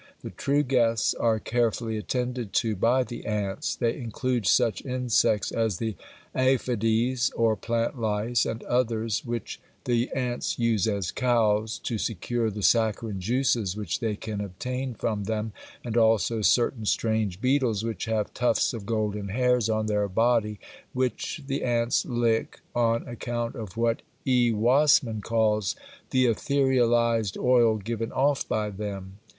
The true guests are carefully attended to by the ants; they include such insects as the Aphides or plant lice, and others which the ants use as "cows" to secure the saccharine juices which they can obtain from them, and also certain strange beetles which have tufts of golden hairs on their body, which the ants lick on account of what E. Wasmann calls the etherealized oil given off by them.